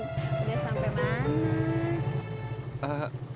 udah sampai mana